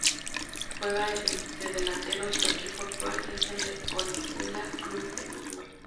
Juega de delantero y su equipo actual es el Orihuela Club de Fútbol.